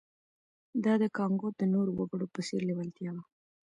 دا د کانګو د نورو وګړو په څېر لېوالتیا وه